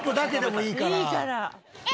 いいから。